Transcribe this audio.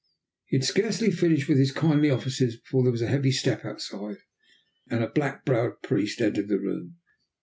He had scarcely finished his kindly offices before there was a heavy step outside, and a black browed priest entered the room.